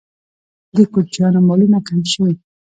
د کوچیانو مالونه کم شوي؟